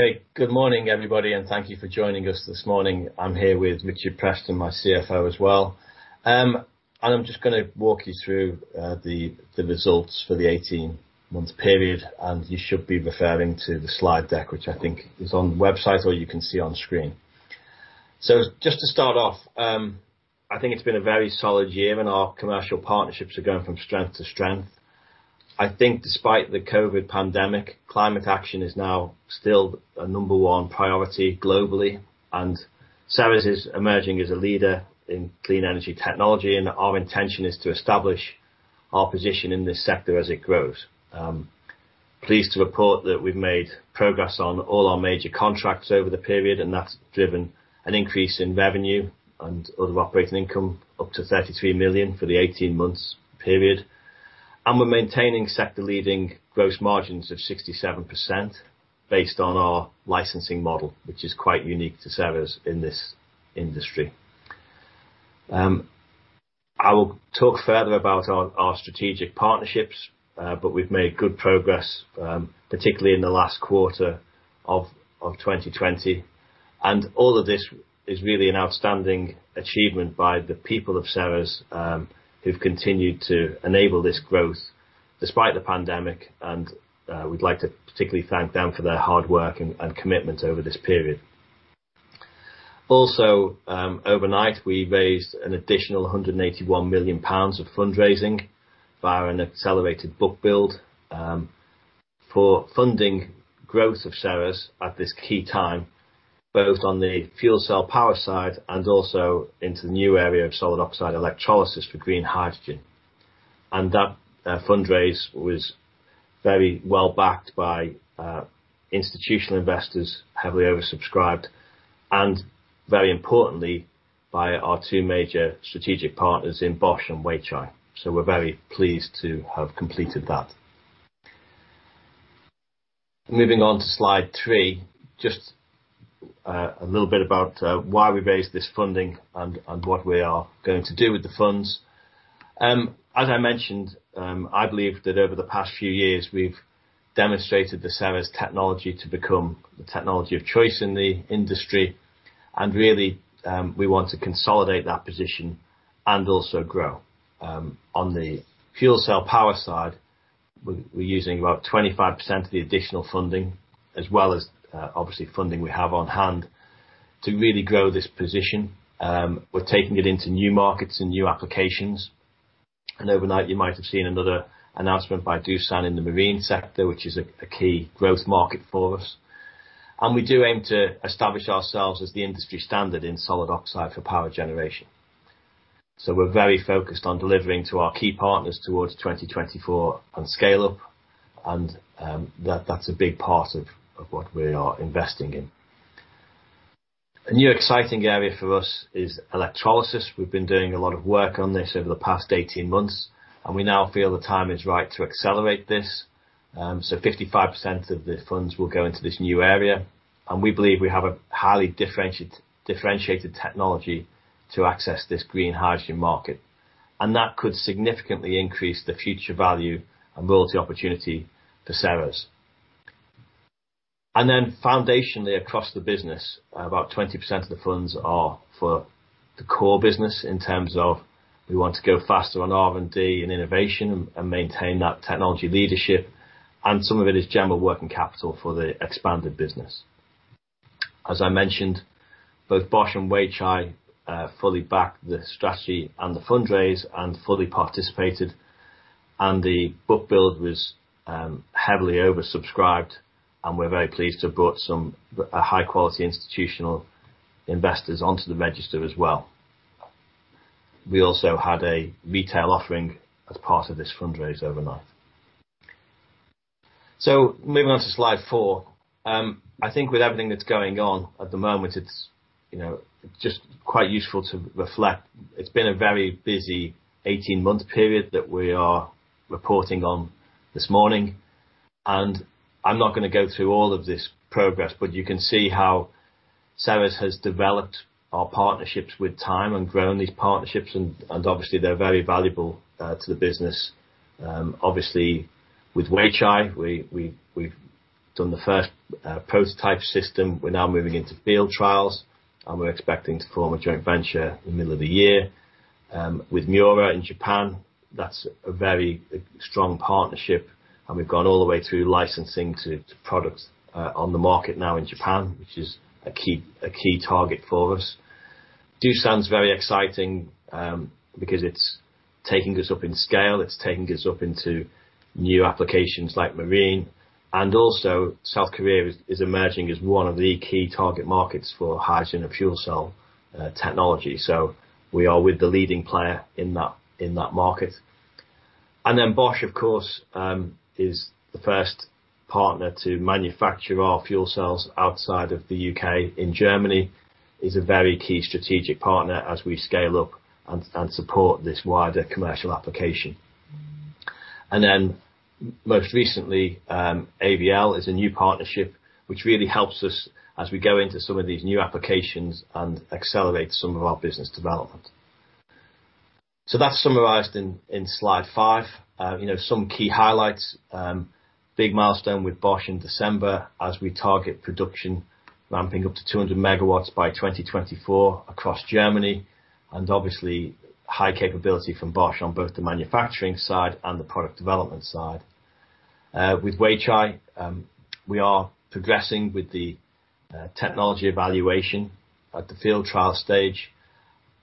Okay. Good morning, everybody, and thank you for joining us this morning. I'm here with Richard Preston, my CFO as well. I'm just going to walk you through the results for the 18-month period, and you should be referring to the slide deck, which I think is on the website, or you can see on screen. Just to start off, I think it's been a very solid year and our commercial partnerships are going from strength to strength. I think despite the COVID pandemic, climate action is now still a number one priority globally, and Ceres is emerging as a leader in clean energy technology, and our intention is to establish our position in this sector as it grows. Pleased to report that we've made progress on all our major contracts over the period, that's driven an increase in revenue and other operating income, up to 33 million for the 18-month period. We're maintaining sector-leading gross margins of 67% based on our licensing model, which is quite unique to Ceres in this industry. I will talk further about our strategic partnerships, we've made good progress, particularly in the last quarter of 2020. All of this is really an outstanding achievement by the people of Ceres, who've continued to enable this growth despite the pandemic, and we'd like to particularly thank them for their hard work and commitment over this period. Overnight, we raised an additional 181 million pounds of fundraising via an accelerated bookbuild for funding growth of Ceres at this key time, both on the fuel cell power side and also into the new area of solid oxide electrolysis for green hydrogen. That fundraise was very well backed by institutional investors, heavily oversubscribed, and very importantly, by our two major strategic partners in Bosch and Weichai. We're very pleased to have completed that. Moving on to slide three, just a little bit about why we raised this funding and what we are going to do with the funds. As I mentioned, I believe that over the past few years, we've demonstrated the Ceres technology to become the technology of choice in the industry, and really, we want to consolidate that position and also grow. On the fuel cell power side, we're using about 25% of the additional funding as well as obviously funding we have on hand to really grow this position. Overnight you might have seen another announcement by Doosan in the marine sector, which is a key growth market for us. We do aim to establish ourselves as the industry standard in solid oxide for power generation. We're very focused on delivering to our key partners towards 2024 on scale-up and that's a big part of what we are investing in. A new exciting area for us is electrolysis. We've been doing a lot of work on this over the past 18 months, and we now feel the time is right to accelerate this. 55% of the funds will go into this new area, and we believe we have a highly differentiated technology to access this green hydrogen market, and that could significantly increase the future value and royalty opportunity for Ceres. Foundationally, across the business, about 20% of the funds are for the core business in terms of we want to go faster on R&D and innovation and maintain that technology leadership, and some of it is general working capital for the expanded business. As I mentioned, both Bosch and Weichai fully back the strategy and the fundraise and fully participated. The book build was heavily oversubscribed, and we're very pleased to have brought some high-quality institutional investors onto the register as well. We also had a retail offering as part of this fundraise overnight. Moving on to slide four. I think with everything that's going on at the moment, it's just quite useful to reflect. It's been a very busy 18-month period that we are reporting on this morning. I'm not going to go through all of this progress, but you can see how Ceres has developed our partnerships with time and grown these partnerships. Obviously, they're very valuable to the business. Obviously with Weichai, we've done the first prototype system. We're now moving into field trials. We're expecting to form a joint venture in the middle of the year. With Miura in Japan, that's a very strong partnership. We've gone all the way through licensing to product on the market now in Japan, which is a key target for us. Doosan's very exciting, because it's taking us up in scale, it's taking us up into new applications like marine. Also South Korea is emerging as one of the key target markets for hydrogen and fuel cell technology. We are with the leading player in that market. Bosch, of course, is the first partner to manufacture our fuel cells outside of the U.K., in Germany, is a very key strategic partner as we scale up and support this wider commercial application. Most recently, AVL is a new partnership which really helps us as we go into some of these new applications and accelerate some of our business development. That's summarized in slide five. Some key highlights. Big milestone with Bosch in December as we target production ramping up to 200 MW by 2024 across Germany, and obviously high capability from Bosch on both the manufacturing side and the product development side. With Weichai, we are progressing with the technology evaluation at the field trial stage.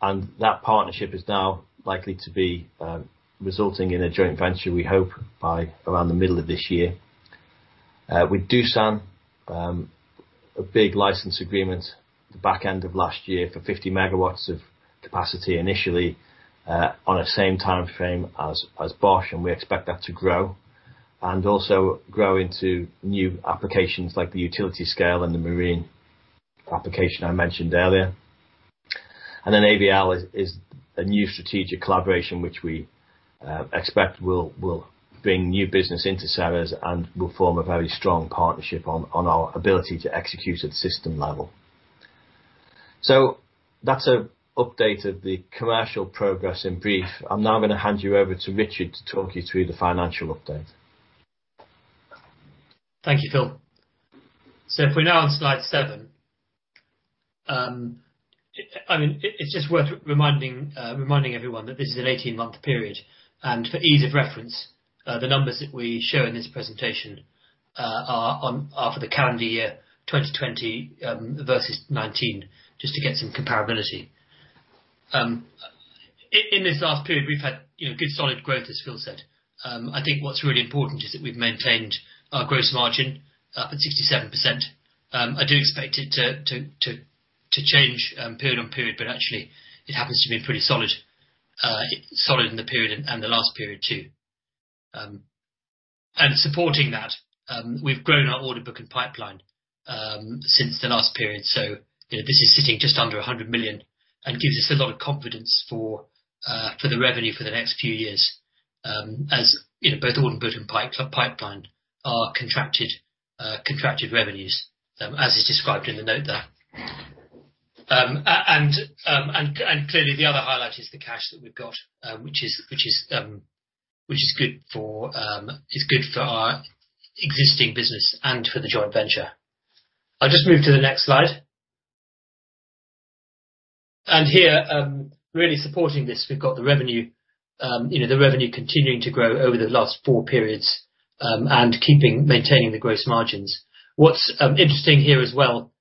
That partnership is now likely to be resulting in a joint venture, we hope, by around the middle of this year. With Doosan, a big license agreement the back end of last year for 50 MW of capacity initially, on a same timeframe as Bosch. We expect that to grow. Also grow into new applications, like the utility scale and the marine application I mentioned earlier. AVL is a new strategic collaboration, which we expect will bring new business into services and will form a very strong partnership on our ability to execute at system level. That's an update of the commercial progress in brief. I'm now going to hand you over to Richard to talk you through the financial update. Thank you, Phil. If we're now on slide seven. It's just worth reminding everyone that this is an 18-month period. For ease of reference, the numbers that we show in this presentation are for the calendar year 2020 versus 2019, just to get some comparability. In this last period, we've had good solid growth, as Phil said. I think what's really important is that we've maintained our gross margin up at 67%. I do expect it to change period on period, but actually, it happens to be pretty solid in the period and the last period too. Supporting that, we've grown our order book and pipeline since the last period, this is sitting just under 100 million and gives us a lot of confidence for the revenue for the next few years, as both order book and pipeline are contracted revenues, as is described in the note there. Clearly the other highlight is the cash that we've got, which is good for our existing business and for the joint venture. I'll just move to the next slide. Here, really supporting this, we've got the revenue continuing to grow over the last four periods, and maintaining the gross margins. What's interesting here as well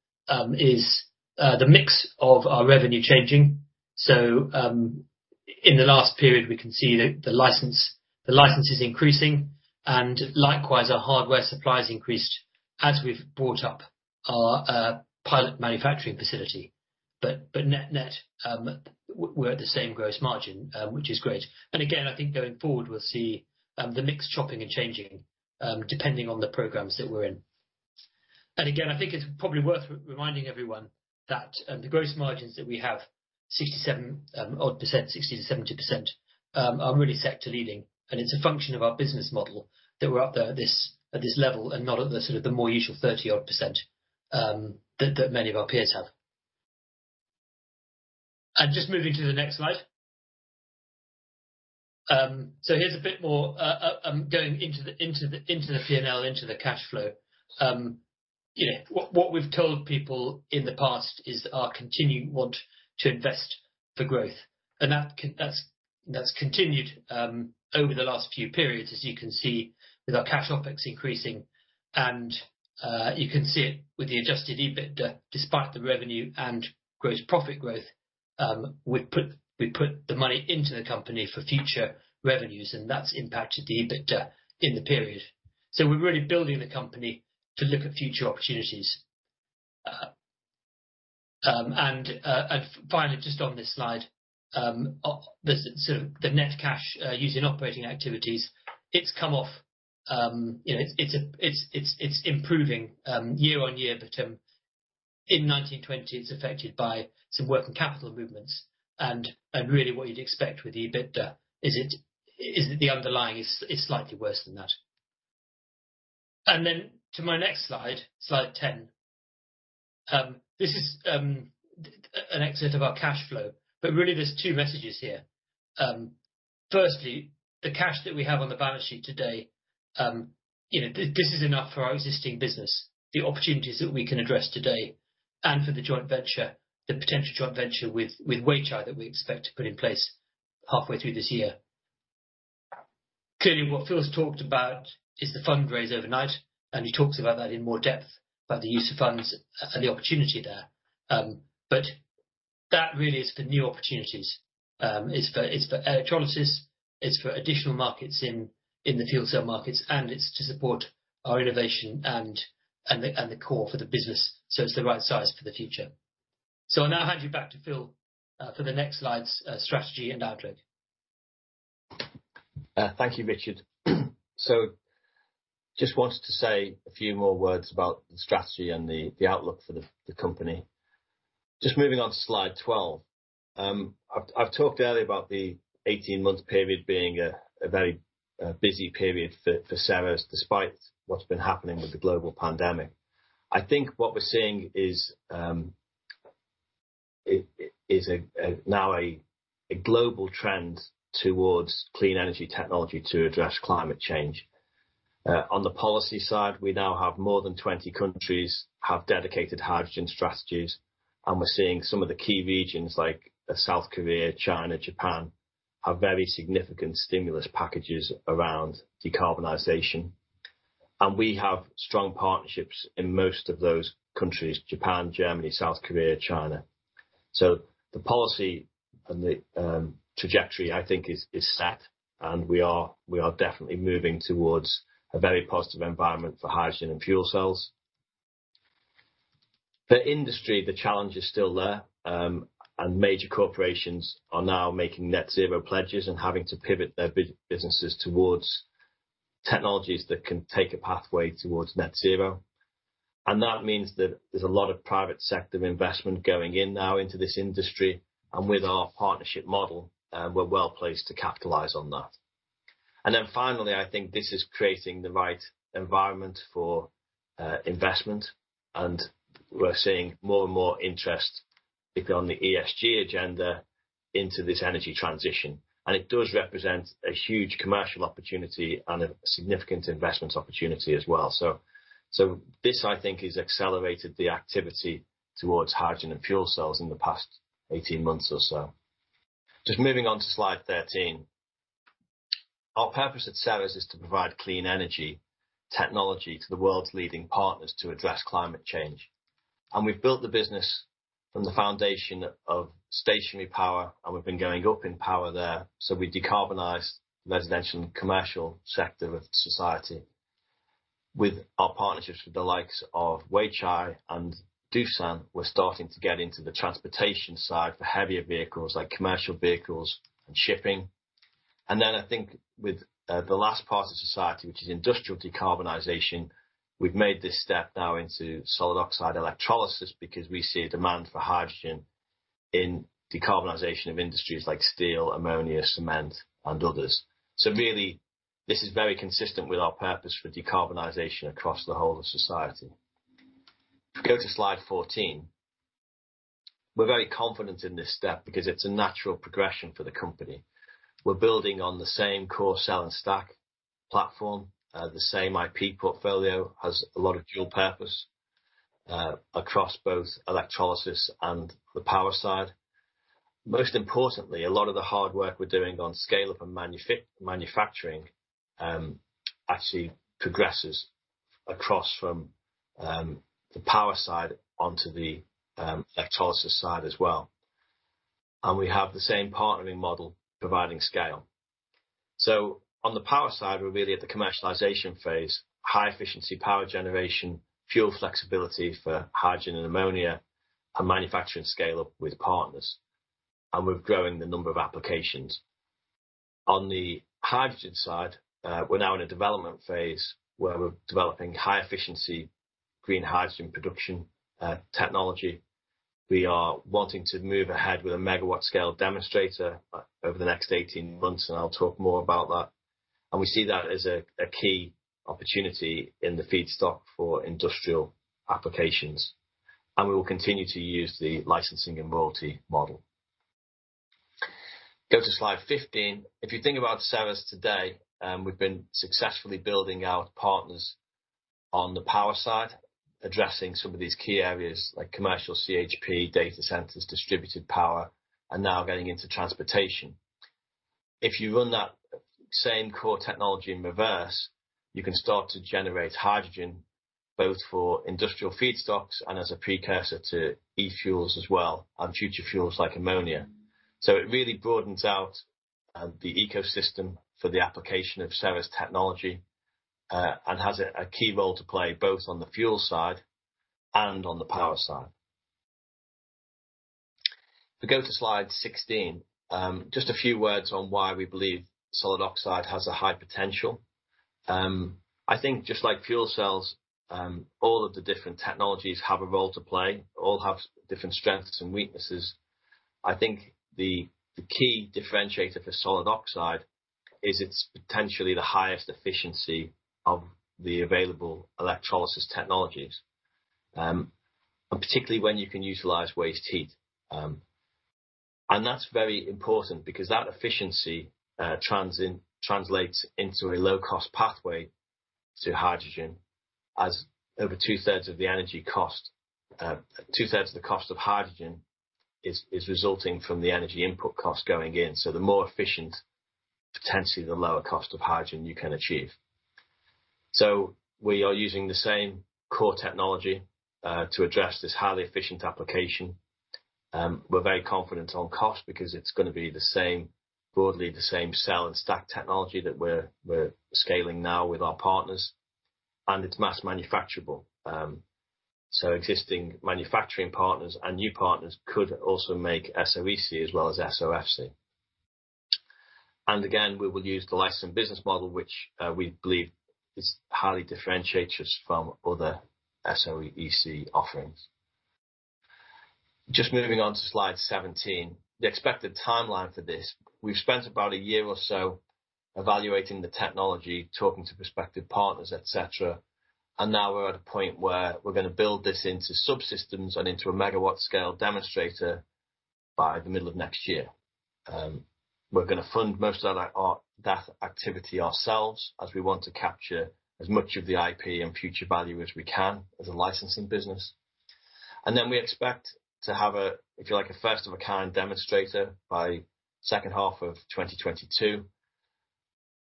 is the mix of our revenue changing. In the last period, we can see that the license is increasing and likewise, our hardware supply has increased as we've brought up our pilot manufacturing facility. Net, we're at the same gross margin, which is great. Again, I think going forward, we'll see the mix chopping and changing, depending on the programs that we're in. Again, I think it's probably worth reminding everyone that the gross margins that we have, 67-odd percent, 60%-70%, are really sector leading. It's a function of our business model that we're up there at this level and not at the more usual 30-odd percent that many of our peers have. Just moving to the next slide. Here's a bit more, going into the P&L, into the cash flow. What we've told people in the past is our continuing want to invest for growth, that's continued over the last few periods, as you can see with our cash OpEx increasing and you can see it with the Adjusted EBITDA, despite the revenue and gross profit growth. We put the money into the company for future revenues, and that's impacted the EBITDA in the period. We're really building the company to look at future opportunities. Finally, just on this slide, the net cash used in operating activities, it's improving year-over-year, but in 2019/2020, it's affected by some working capital movements and really what you'd expect with the EBITDA is that the underlying is slightly worse than that. To my next slide 10. This is an excerpt of our cash flow. Really there's two messages here. Firstly the cash that we have on the balance sheet today, this is enough for our existing business, the opportunities that we can address today and for the joint venture, the potential joint venture with Weichai that we expect to put in place halfway through this year. What Phil's talked about is the fundraise overnight, and he talks about that in more depth, about the use of funds and the opportunity there. That really is for new opportunities. It's for electrolysis, it's for additional markets in the fuel cell markets, and it's to support our innovation and the core for the business so it's the right size for the future. I'll now hand you back to Phil for the next slides, strategy and outlook. Thank you, Richard. Just wanted to say a few more words about the strategy and the outlook for the company. Just moving on to slide 12. I've talked earlier about the 18-month period being a very busy period for Ceres, despite what's been happening with the global pandemic. I think what we're seeing is now a global trend towards clean energy technology to address climate change. On the policy side, we now have more than 20 countries have dedicated hydrogen strategies, and we're seeing some of the key regions like South Korea, China, Japan, have very significant stimulus packages around decarbonization. We have strong partnerships in most of those countries, Japan, Germany, South Korea, China. The policy and the trajectory, I think is set, and we are definitely moving towards a very positive environment for hydrogen and fuel cells. For industry, the challenge is still there. Major corporations are now making net zero pledges and having to pivot their businesses towards technologies that can take a pathway towards net zero. That means that there's a lot of private sector investment going in now into this industry. With our partnership model, we're well placed to capitalize on that. Finally, I think this is creating the right environment for investment, and we're seeing more and more interest on the ESG agenda into this energy transition. It does represent a huge commercial opportunity and a significant investment opportunity as well. This, I think, has accelerated the activity towards hydrogen and fuel cells in the past 18 months or so. Just moving on to slide 13. Our purpose at Ceres is to provide clean energy technology to the world's leading partners to address climate change. We've built the business from the foundation of stationary power, and we've been going up in power there. We decarbonize residential and commercial sector of society. With our partnerships with the likes of Weichai and Doosan, we're starting to get into the transportation side for heavier vehicles like commercial vehicles and shipping. I think with the last part of society, which is industrial decarbonization, we've made this step now into solid oxide electrolysis because we see a demand for hydrogen in decarbonization of industries like steel, ammonia, cement, and others. Really, this is very consistent with our purpose for decarbonization across the whole of society. If you go to slide 14. We're very confident in this step because it's a natural progression for the company. We're building on the same core cell and stack platform. The same IP portfolio has a lot of dual purpose, across both electrolysis and the power side. Most importantly, a lot of the hard work we're doing on scale-up and manufacturing actually progresses across from the power side onto the electrolysis side as well. We have the same partnering model providing scale. On the power side, we're really at the commercialization phase, high efficiency power generation, fuel flexibility for hydrogen and ammonia, and manufacturing scale-up with partners. We're growing the number of applications. On the hydrogen side, we're now in a development phase where we're developing high efficiency green hydrogen production technology. We are wanting to move ahead with a megawatt scale demonstrator over the next 18 months, and I'll talk more about that. We see that as a key opportunity in the feedstock for industrial applications. We will continue to use the licensing and royalty model. Go to slide 15. If you think about Ceres today, we've been successfully building out partners on the power side, addressing some of these key areas like commercial CHP, data centers, distributed power, and now getting into transportation. If you run that same core technology in reverse, you can start to generate hydrogen both for industrial feedstocks and as a precursor to e-fuels as well, and future fuels like ammonia. It really broadens out the ecosystem for the application of Ceres technology, and has a key role to play both on the fuel side and on the power side. If we go to slide 16, just a few words on why we believe solid oxide has a high potential. I think just like fuel cells, all of the different technologies have a role to play. All have different strengths and weaknesses. I think the key differentiator for solid oxide is it's potentially the highest efficiency of the available electrolysis technologies, and particularly when you can utilize waste heat. That's very important because that efficiency translates into a low-cost pathway to hydrogen, as over 2/3 of the cost of hydrogen is resulting from the energy input cost going in so the more efficient, potentially the lower cost of hydrogen you can achieve. We are using the same core technology to address this highly efficient application. We're very confident on cost because it's going to be broadly the same cell and stack technology that we're scaling now with our partners. It's mass manufacturable. Existing manufacturing partners and new partners could also make SOEC as well as SOFC. Again, we will use the license business model, which we believe highly differentiates us from other SOEC offerings. Just moving on to slide 17, the expected timeline for this. We've spent about a year or so evaluating the technology, talking to prospective partners, et cetera. Now we're at a point where we're going to build this into subsystems and into a megawatt scale demonstrator by the middle of next year. We're going to fund most of that activity ourselves as we want to capture as much of the IP and future value as we can as a licensing business. We expect to have a, if you like, a first-of-a-kind demonstrator by second half of 2022,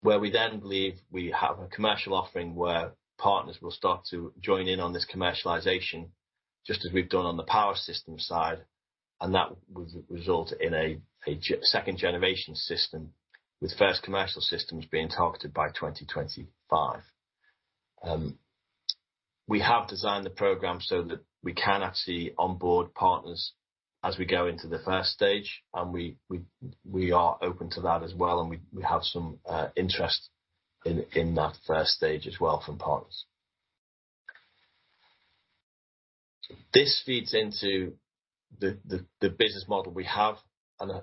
where we then believe we have a commercial offering where partners will start to join in on this commercialization, just as we've done on the power system side, and that would result in a second-generation system with first commercial systems being targeted by 2025. We have designed the program so that we can actually onboard partners as we go into the first stage, and we are open to that as well, and we have some interest in that first stage as well from partners. This feeds into the business model we have.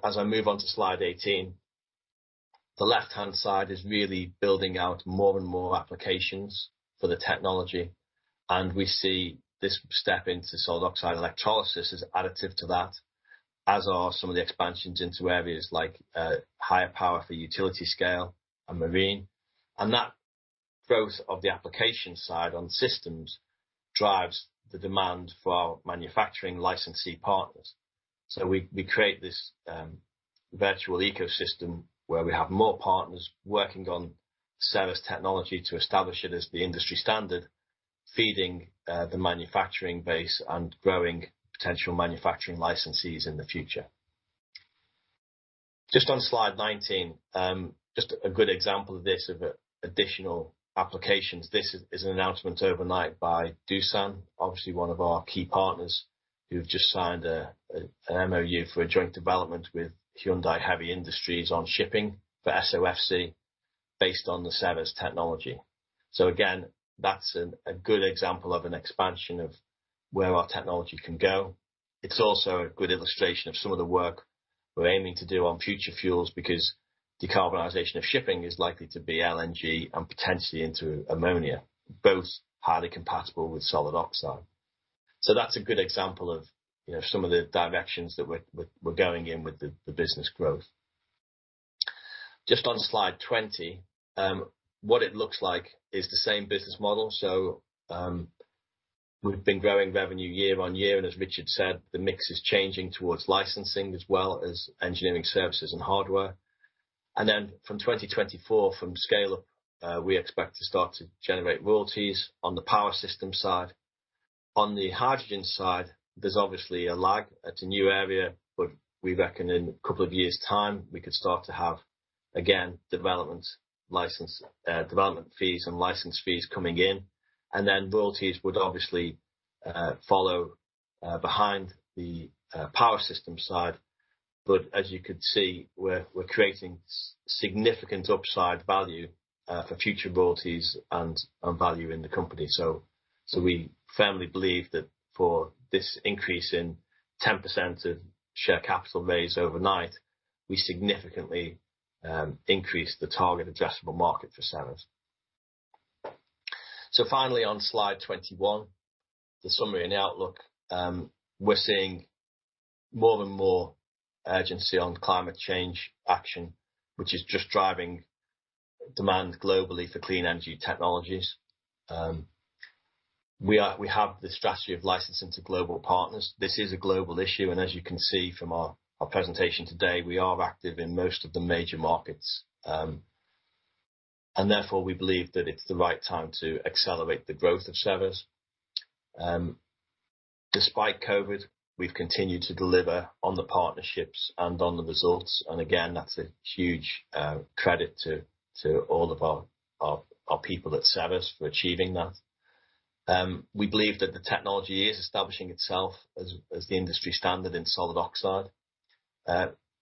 As I move on to slide 18, the left-hand side is really building out more and more applications for the technology, and we see this step into solid oxide electrolysis as additive to that, as are some of the expansions into areas like higher power for utility scale and marine. That growth of the application side on systems drives the demand for our manufacturing licensee partners. We create this virtual ecosystem where we have more partners working on Ceres technology to establish it as the industry standard, feeding the manufacturing base and growing potential manufacturing licensees in the future. Just on slide 19, just a good example of this, of additional applications. This is an announcement overnight by Doosan, obviously one of our key partners, who've just signed an MOU for a joint development with Hyundai Heavy Industries on shipping for SOFC based on the Ceres technology. Again, that's a good example of an expansion of where our technology can go. It's also a good illustration of some of the work we're aiming to do on future fuels because decarbonization of shipping is likely to be LNG and potentially into ammonia, both highly compatible with solid oxide. That's a good example of some of the directions that we're going in with the business growth. Just on slide 20, what it looks like is the same business model. We've been growing revenue year on year, and as Richard said, the mix is changing towards licensing as well as engineering services and hardware. From 2024, from scale-up, we expect to start to generate royalties on the power system side. On the hydrogen side, there's obviously a lag. It's a new area, we reckon in a couple of years' time, we could start to have, again, development fees and license fees coming in. Royalties would obviously follow behind the power system side. As you can see, we're creating significant upside value for future royalties and value in the company. We firmly believe that for this increase in 10% of share capital raised overnight, we significantly increase the target addressable market for Ceres. Finally, on slide 21, the summary and outlook. We're seeing more and more urgency on climate change action, which is just driving demand globally for clean energy technologies. We have the strategy of licensing to global partners. This is a global issue, and as you can see from our presentation today, we are active in most of the major markets. Therefore, we believe that it's the right time to accelerate the growth of Ceres. Despite COVID, we've continued to deliver on the partnerships and on the results, and again, that's a huge credit to all of our people at Ceres for achieving that. We believe that the technology is establishing itself as the industry standard in solid oxide,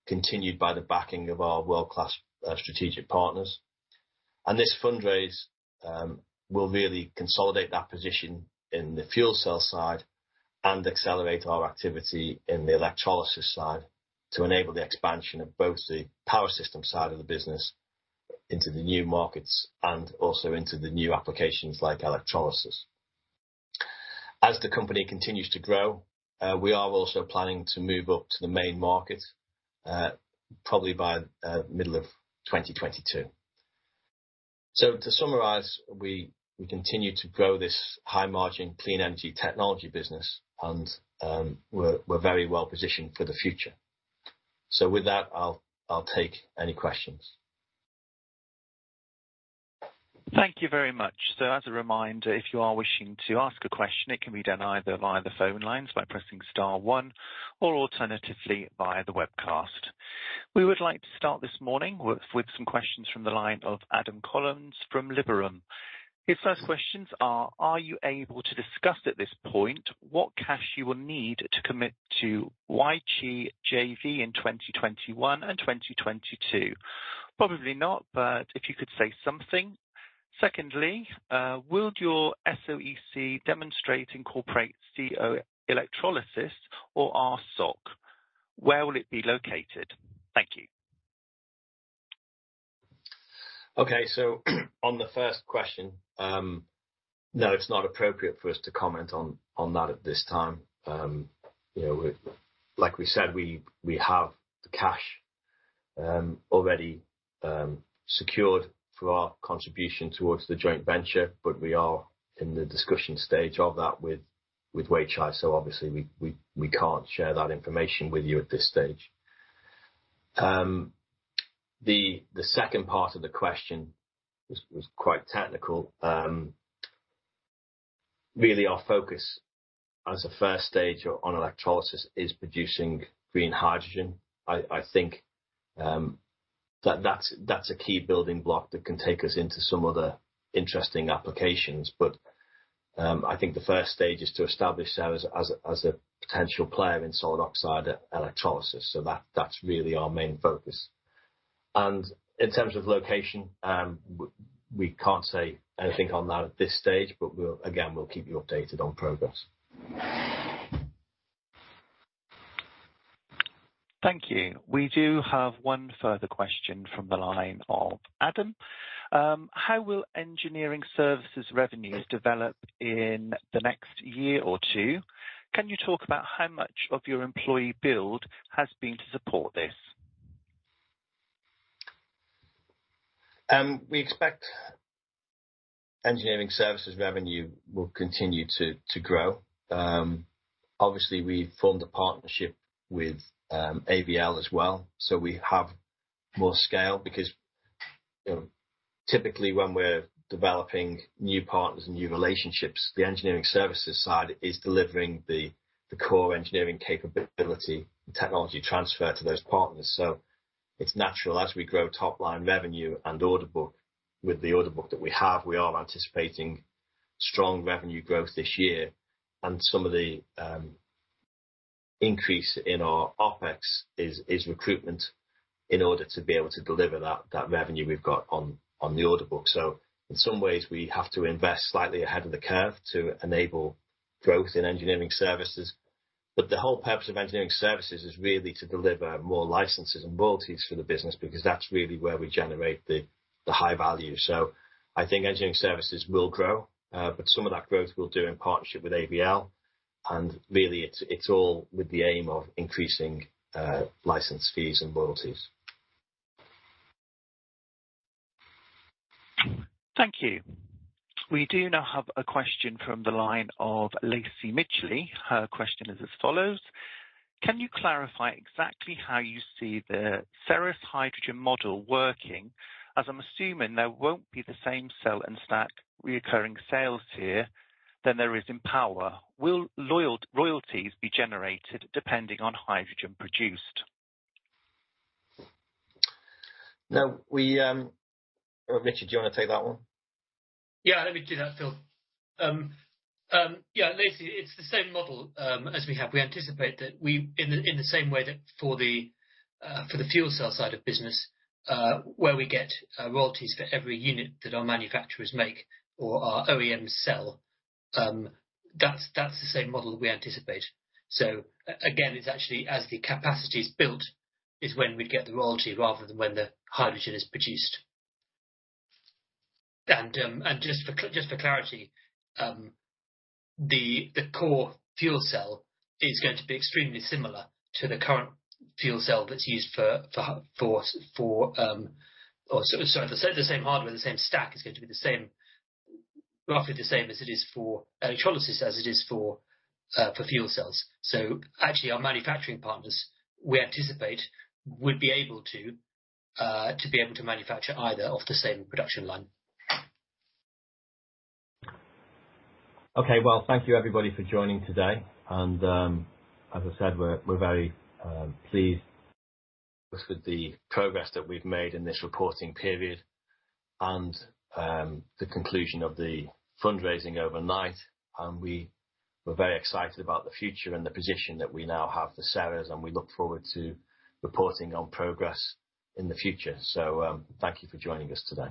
continued by the backing of our world-class strategic partners. This fundraise will really consolidate that position in the fuel cell side and accelerate our activity in the electrolysis side to enable the expansion of both the power system side of the business into the new markets and also into the new applications like electrolysis. As the company continues to grow, we are also planning to move up to the Main Market, probably by middle of 2022. To summarize, we continue to grow this high-margin, clean energy technology business and we're very well positioned for the future. With that, I'll take any questions. Thank you very much. As a reminder, if you are wishing to ask a question, it can be done either via the phone lines by pressing star one or alternatively via the webcast. We would like to start this morning with some questions from the line of Adam Collins from Liberum. His first questions are: Are you able to discuss at this point what cash you will need to commit to Weichai JV in 2021 and 2022? Probably not, but if you could say something. Secondly, will your SOEC demonstrate incorporate co-electrolysis or our SOC? Where will it be located? Thank you. Okay. On the first question, no, it's not appropriate for us to comment on that at this time. Like we said, we have the cash already secured through our contribution towards the joint venture, but we are in the discussion stage of that with Weichai, obviously we can't share that information with you at this stage. The second part of the question was quite technical. Really our focus as a first stage on electrolysis is producing green hydrogen. I think that's a key building block that can take us into some other interesting applications. I think the first stage is to establish ourselves as a potential player in solid oxide electrolysis, that's really our main focus. In terms of location, we can't say anything on that at this stage, but again, we'll keep you updated on progress. Thank you. We do have one further question from the line of Adam. How will engineering services revenues develop in the next year or two? Can you talk about how much of your employee build has been to support this? We expect engineering services revenue will continue to grow. Obviously, we formed a partnership with AVL as well, so we have more scale because, typically when we're developing new partners and new relationships, the engineering services side is delivering the core engineering capability and technology transfer to those partners. It's natural as we grow top-line revenue and order book, with the order book that we have, we are anticipating strong revenue growth this year. Some of the increase in our OpEx is recruitment in order to be able to deliver that revenue we've got on the order book. In some ways we have to invest slightly ahead of the curve to enable growth in engineering services. The whole purpose of engineering services is really to deliver more licenses and royalties for the business, because that's really where we generate the high value. I think engineering services will grow, but some of that growth we'll do in partnership with AVL. Really, it's all with the aim of increasing license fees and royalties. Thank you. We do now have a question from the line of Lacie Midgley. Her question is as follows: Can you clarify exactly how you see the Ceres hydrogen model working? I'm assuming there won't be the same cell and stack reoccurring sales here than there is in power. Will royalties be generated depending on hydrogen produced? Now, Rich, do you want to take that one? Yeah. Let me do that, Phil. Yeah, Lacie, it's the same model as we have. We anticipate that in the same way that for the fuel cell side of business, where we get royalties for every unit that our manufacturers make or our OEMs sell, that's the same model we anticipate. Again, it's actually as the capacity is built is when we'd get the royalty rather than when the hydrogen is produced. Just for clarity, the core fuel cell is going to be extremely similar to the current fuel cell that's used for the same hardware, the same stack is going to be roughly the same as it is for electrolysis as it is for fuel cells. Actually, our manufacturing partners, we anticipate, would be able to manufacture either off the same production line. Okay. Well, thank you everybody for joining today. As I said, we're very pleased with the progress that we've made in this reporting period and the conclusion of the fundraising overnight. We were very excited about the future and the position that we now have for Ceres, and we look forward to reporting on progress in the future. Thank you for joining us today.